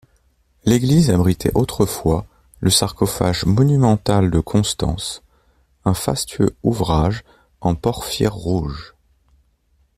L'église abritait autrefois le sarcophage monumental de Constance, un fastueux ouvrage en porphyre rouge.